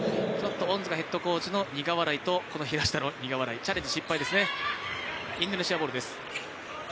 恩塚ヘッドコーチの苦笑いとこの平下の苦笑いチャレンジ失敗ですね。